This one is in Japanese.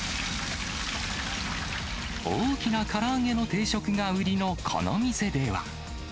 大きなから揚げの定食が売りのこの店では。